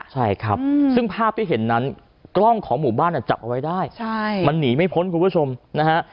ใช่ครับซึ่งภาพที่เห็นนั้นกล้องของหมู่บ้านจับเอาไว้ได้มันหนีไม่พ้นคุณผู้ชมนะฮะ